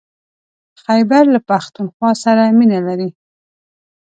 خيبر له پښتونخوا سره مينه لري.